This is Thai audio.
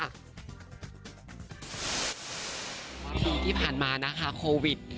วันนี้ที่ผ่านมานะคะโควิด